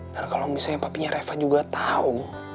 dan kalau misalnya papinya reva juga tahu